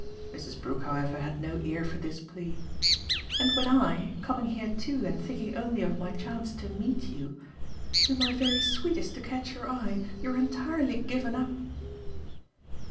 Mrs. Brook, however, had no ear for this plea. "And when I, coming here too and thinking only of my chance to 'meet' you, do my very sweetest to catch your eye, you're entirely given up